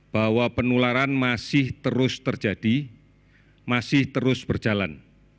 bahwa penularan masih terus terjadi masih terus berjalan